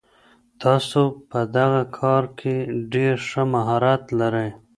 تاسو په دغه کار کي ډېر ښه مهارت لرئ.